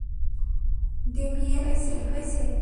Damien, কী হয়েছে?